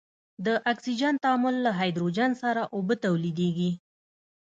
د اکسجن تعامل له هایدروجن سره اوبه تولیدیږي.